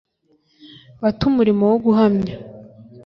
ba te umurimo wo guhamya